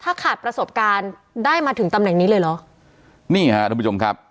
ถ้าขาดประสบการณ์ได้มาถึงตำแหน่งนี้เลยเหรอนี่ฮะทุกผู้ชมครับ